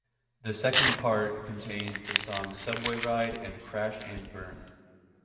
The second part contained the songs "Subway Ride" and "Crash and Burn".